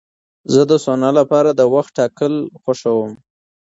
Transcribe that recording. زه د سونا لپاره د وخت ټاکل خوښوم.